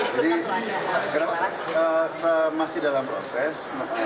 jadi masih dalam proses